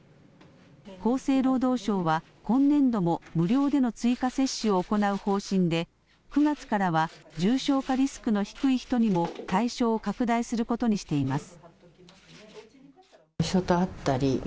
厚生労働省は今年度も無料での追加接種を行う方針で９月からは重症化リスクの低い人にも対象を拡大することにしています。